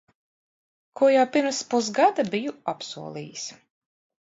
Ko jau pirms pusgada biju apsolījis.